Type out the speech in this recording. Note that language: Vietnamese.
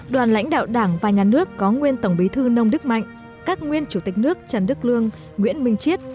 đoàn lãnh đạo đảng và nhà nước có nguyên tổng bí thư nông đức mạnh các nguyên chủ tịch nước trần đức lương nguyễn minh chiết